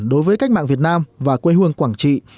đối với cách mạng việt nam và quê hương quảng trị